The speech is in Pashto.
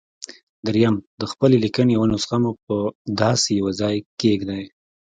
درېيم د خپلې ليکنې يوه نسخه مو په داسې يوه ځای کېږدئ.